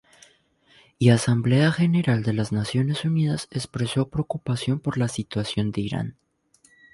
Y Asamblea General de las Naciones Unidas expresó preocupación por la situación de Irán.